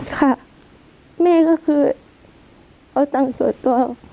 ค่ะแม่ก็คือเอาตังค์ส่วนตัว